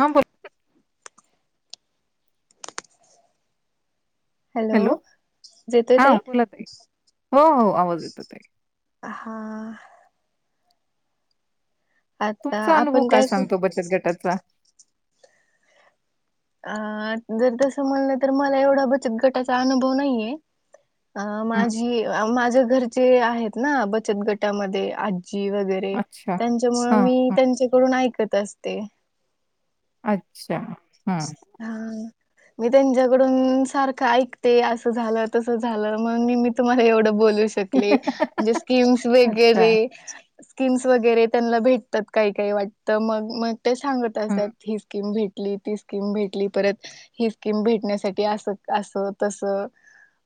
हांब hello जेतोय हां तय बोला ताई. हो हो आवाज येतो ताई. हा. आता तुमचा अनुभव आपण काय सांगतो बचत गटाचा? अं जर तस म्हणल तर मला एवढा बचत गटाचा अनुभव नाहीये अ हं, माझी माझ्या घर जे आहेत ना बचत गटामधे आज जी वगरे अच्छा. त्यांच्यामुळे हां, मी हां. त्यांच्याकडून ऐकत कसते. अच्छा. हं. हा. मी त्यांच्याकडून सारखं ऐकते, असं झालं, तसं झालं, म्हणून मी मी तुम्हाला एवढं बोल ऊ शकले म्हणजे स्किम्स अच्छा. वैगरे स्कीम्स वगैरे त्यांना भेटतात काही काही वाटतं, मग मग ते सांगत हं. असतात ही स्कीम भेट लितीस किम भेटली परत, ही स्कीम भेटण्यासाठी असं असं तसं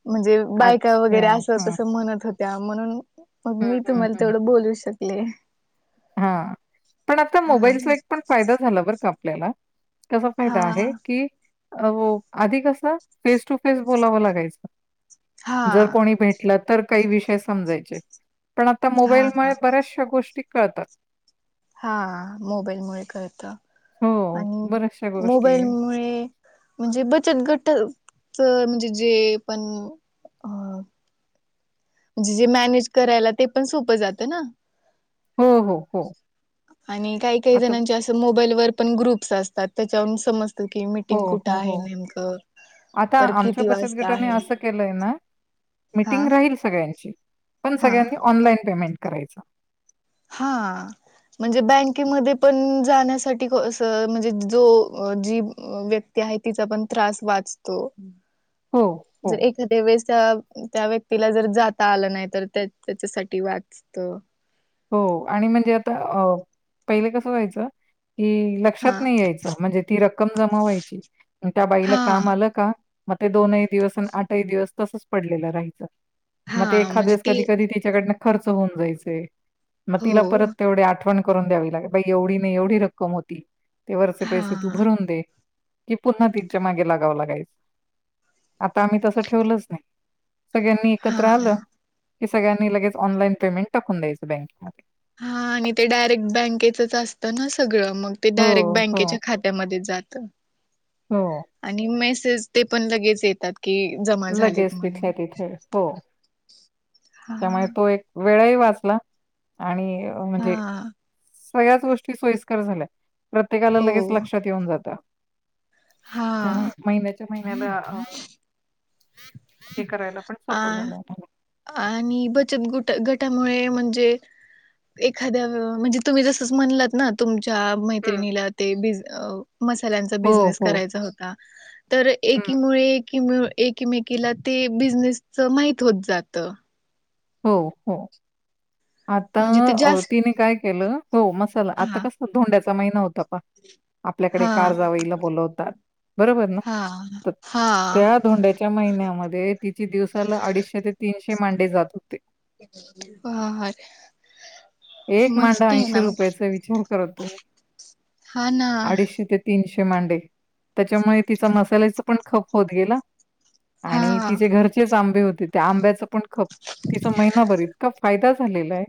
म्हणजे बायका वगैरे अच्छा. असं हं, तसं म्हणत होत त्या म्हणून मग मी तुम्हाला तेवढं बोलू शक ले. हा पण आता हा मोबाईलचा एक पण फायदा झाला बरं का. लेला कसा हा फायदा आहे, की आधी कस फेस टू फेस बोलावं हा लागायचं जर कोणी भेटला तर काही विषय समजायचे पण आता हा मोबाईलमुळे बऱ्याचशा गोष्टी करतात हा मोबाईल मु करत हो, आणि बऱ्याचशा गोष्टी मोबाईल मु म्हणजे बचत गट तर म्हणजे जे पण अं म्हणे जे मॅनेज करायला ते पण सोप जात हो, हो, हो. आणि काही काही आता जणांचे अस मोबाईल वर पण ग्रुप्स असत त्या त्याच्यावरून सम हो हो हो आता परत आमच्या किती बचत वाजता गटाने आहे असं केलंय ना हा मिीटिंग राहील सगळ्यांची [unintelligible] पण हा सगळ्यांनी ऑनलाईन पेमेंट करायचा हा म्हणजे बँकेमध्ये पण जाण्यासाठी म्हणजे जो जी व्यक्ती आहे तिचा पण त्रास वाचतो हो, हो, जर एखाद्या वेळेस त्या त्या व्यक्तीला जर जाता आलं नाही तर त्या त्याच्यासाठी वाचत हो आणि म्हणजे आता अ पहिले कसं जायचं की हा लक्षात नाही यायच म्हणजे ती रक्कम जमा व्हायची त्या हा बाईला काम आलं का मग ते दोनही दिवस आणि आठही दिवस तसच पडलेलं राहायचं मग ते हा म्हणजे एखादस ते कधी कधी तिच्याकडं खर्च होऊन जायचय मग हो तिला परत तेवढे आठवण करून द्यावी लागे बा एवढी नाही एवढी रक्कम होती ते वरचे हा पैसे तू भरून दे कि पुन्हा तिच्या मागे लागावं लागायचं आता आम्ही तसं ठेवलंच नाही सगळ्यांनी हा एकत्र आलं हे सगळ्यांनी लगेच ऑनलान पेमेंट टाकून द्यायंच बँकेत हा आणि ते डायरेक्ट बँकेचच असतं ना सगळं मग ते हो डायरेक्ट हो बँकेच्या खात्यामध्ये जात हो आणि मेसेज ते पण लगेच येतात की जमा झालेत लगेच म्हणून तिथल्या तिथे हो हा त्याय तो एक वेळही वाचला आणि म्हज हा सगळ्याच गोष्टी सोयीस्कर झाल्या प्रत्येकाला हो लगेच लक्षात येऊन जातं हा त्यामुळे महिन्याच्या महिन्याला हे करायला पण अ सोपं झालं आम्हाला. आणि बचत गुट गट त्यामुळे म्हणे एखाद्या म्हणजे तुम्ही जस म्हणलात ना तम हं. मैत्रिणीला ते बि अ मसाल्यांचा हो बिझनेस हो करायचा होता तर हं. एकीमुळे कि एकमेकीला ते बिझनेस च माहीत होत जात हो हो आता म्हणजे ते जास्त तिने काय केलं हो मसाला आता हा कस धोंड्या समय नव्हता आपल्याकडे हा कार जावईला बोलवतात बरोबर ना हा तर हा त्या धोंड्याच्या महिन्यामध्ये त दिवसाला अडीचशे ते तीनशे मांडेले जात पहाड एक मांडा ऐंशी रुपयाचा विचार करा तुम्ही हा ना अडीचशे ते तीनशे ते मांडे त्याच्यामुळे तिचा मसाल्याचा पण खप होत गेला. आणि हा तिचे घरचेच आंबे होते त्या आंब्याच च पण खप तिचा महिना भर इतका फायदा झालेला आहे.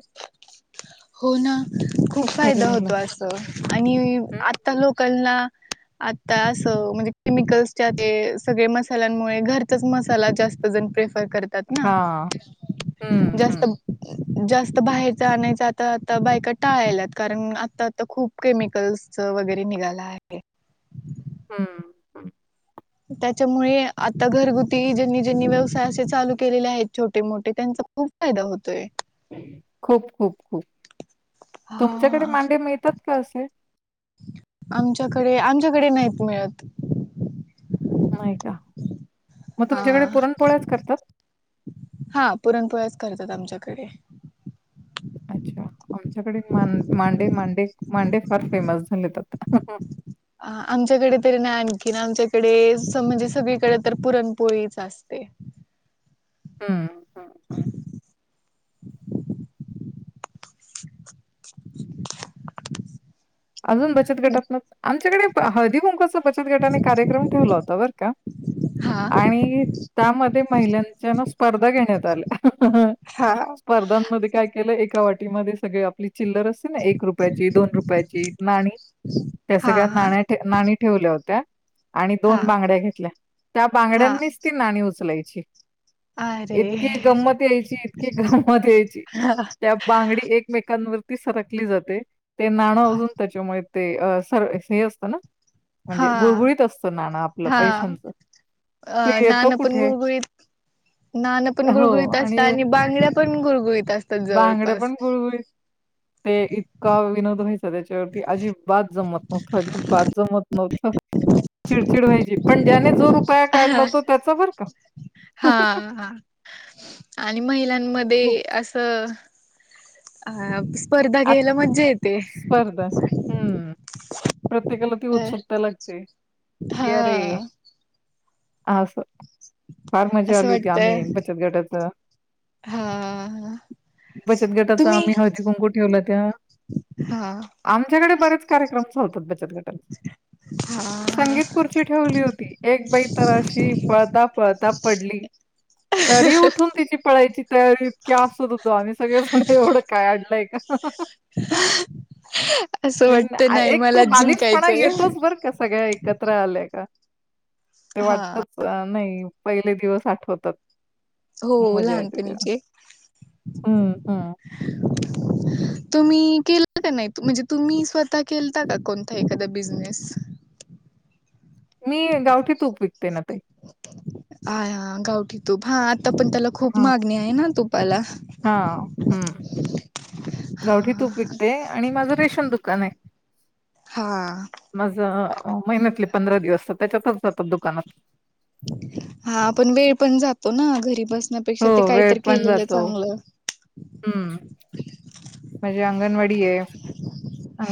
हो ना खूप फायदा होतो अस आणि हं. आता लोक नां आता असं म्हणजे केमिकल्स च्या ते सगळे मसाल्यांमुळे घरचाच मसाला जास्त जणू काही करतात ना हां. हं, हं. जास्त जास्त बाहेरच आणायचं आता आता बायका टाळायल्यात कारण आता आता खूप केमिकल्सच वगैरे निघाला आहे. हम्म हम्म त्याच्यामुळे आता घरगुती ज्यांनी ज्यांनी व्यवसाय असे चालू केलेले आहेत छोटे मोठे त्यांचा खूप फायदा होतोय. खूप खूप खूप तुमच्याकडे हा मांडे मिळतात का असे? आमच्याकडे आमच्याकडे नाहीत मिळत. नाही का मग तुमच्याकडे हा पुरणपोळ्याच करतात कडे अच्छा आमच्याकडे मांडे मांडे मांडे फार फेमस झालेत आता अ आमच्याकडे तरी नाही आणखीन आमच्याकडे म्हणजे सगळीकडे तर पुरणपोळीच असते. हम्म [unintelligible] [inaudible] अजून बचत गटात ना आमच्याकडे हळदी कुंकाचा बचत गटाने कार्यक्रम ठेवला होता बर का हा आणि त्यामध्ये महिलांच्याना स्पर्धा घेण्यात आल्या ह हा स्पर्धांमध्ये काय केलं एका वाटीमध्ये सगळे आपली चिल्लर असते ना एक रुपयाची दोन रुपयाची ची नाणी त्या सगळ्या हा नाण्या नाणी ठेवल्या होत्या आणि दोन हा बांगड्या घेतल्या त्या हा बांगड्यांनीच ती नाणी उचलायची ची अरे इतकी गंमत यायची इतकी गंमत यायची हा त्या बांगडी एकमेकांवर. सरकली जाते. त्याच्यामुळे ते. अ सर्व हे असतं ना. हा म्हणजे गुळगुळीत असतं नाणं आपलं हा पैशांचं अ ते येतं नाणं पण कुठे गुळगुळीत नाणं पण गुळगुळीत असतात आणि बांगड्या पण गुळगुळीत असतात बांगड्या जवळपास. पण गुळगुळीत. ते इतका विनोद व्हायचा त्याच्यावरती अजिबात जमत नव्हत अजिबात जमत नव्हत चिडचिड व्हायची पण ज्याने. जो रुपया काढला त्याचा बर का. हा ते खूप असं. अ स्पर्धा आ घ्यायला मज्जा येते. स्पर्धा हम्म प्रत्येकाला ती उत्सुकता लागते हा की अरे! आंस. फार मजा असं आली होती वाटतय आम्ही बचत गटाच हा हा बचत गटाच तुम्ही आम्ही हळदी कुंकु. हा आमच्याकडे बरेच कार्यक्रम. होत होते. हा हा संगीत खुर्ची ठेवली होती एक बाई तर अशी पळता पळता पडली तरी उठून तिची पळायची तयारी इतकी हासत होतो आम्ही सगळेजण एवढं काय अडलय का असं पण वाटतं नाही एक तो मला बालिशपणा जिंकायचंय येतोच बर का सगळ्या एक कतरा आलय का ते हा वाटतच नाही पहिले दिवस आठवतात हो मजा येते तेव्हा. लहानपणीचे हं, हं. तुम्ही केलं का नाही म्हणजे तुम्ही स्वतः केलता का कोणता एखादा बिझनेस मी गावठी तूप विकते ना ताई आ हा गावठी तूप ता पण त्याला खूप मागणी आहे ना तुपाला हा हम्म हा गावठी तूप विकते आणि माझं रेशन दुकान आहे हा माझ महिन्यातले पंधरा दिवस त्याच्यातच जातात दुकानात हा पण वेळ पण जातो ना घरी बस पेक्षा हो, ते काहीत वेळ पण केलेलं जातो. चांगलं म्हणजे अंगणवाडी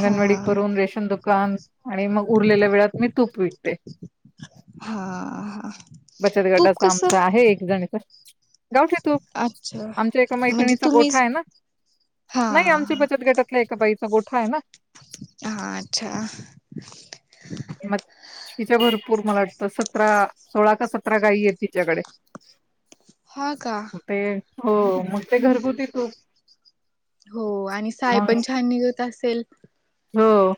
हा करून रेशन दुकान आणि मग उरलेल्या वेळात मी तूप विकते हा हा बचत तूप गटाचा आमचा कसं आहे एक जणीच गावठी तूप अच्छा आमच्या एका म्हणजे मैत्रिणीचा तुम्हीच गोठाय ना. नाही आमच्या हा बचत गटातल्या एका बाईचा- गोठाय ना. हा अच्छा. मग तिच्या भरपूर मला वाट- सतरा सोळा का सतरा गाई ये तिच्याकडे. हा का. ते हो मग ते घरगुती तूप- हो आणि साय मग पण छान निघत असेल. हो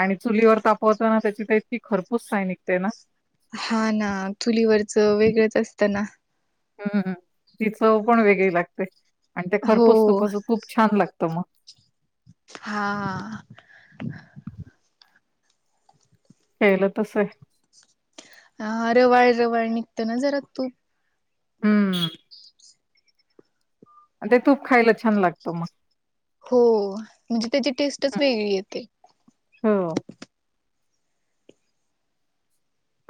आणि चुलीवर तापवताना त्याची तर इतकी खरपूस सय निगते ना. हा ना चुलीवरचं वेगळंच असतं ना हम्मम ती चव पण वेगळी लागते. आणि त्या हो खरपूस् तूपाचं खूप छान लागत. त म- हा हा. केलं तसय. ह रवाळ रवाळ निघतं ना जरा तूप. हम्म. ते तूप खायला छान लागतं मग. हो म्हणजे- त्याची टेस्टच हम्म. वेगळी येते. हो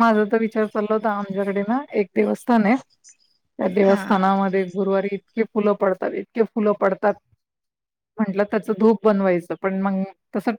माझा तर विचार चालला होता आमच्याकडे ना एक दिवस्थाने- त्या हा देवस्थानामध्ये- गुरुवारी इतके फुल पडतात इतके फुलं पडतात म्हटलं त्याचा धूप बनवायचं पण मंग तसं ठर-